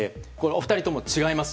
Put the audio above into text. お二人とも、違います！